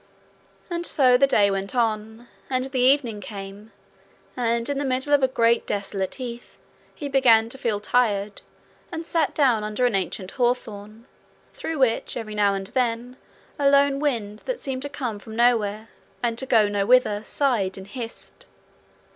And so the day went on, and the evening came, and in the middle of a great desolate heath he began to feel tired, and sat down under an ancient hawthorn, through which every now and then a lone wind that seemed to come from nowhere and to go nowhither sighed and hissed.